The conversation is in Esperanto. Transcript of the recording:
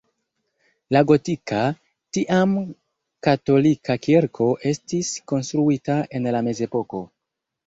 La gotika, tiam katolika kirko estis konstruita en la mezepoko.